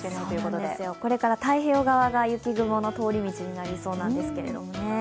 そうなんですよ、これから太平洋側が雪雲の通り道になりそうなんですけどね。